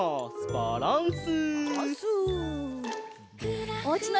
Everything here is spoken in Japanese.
バランス！